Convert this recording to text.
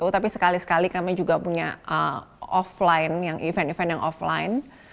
tapi sekali sekali kami juga punya event event yang offline